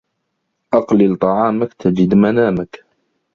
أقلل طعامك تجد منامك